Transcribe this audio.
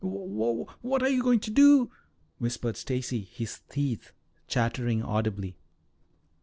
"Wha what are you going to do?" whispered Stacy, his teeth chattering audibly.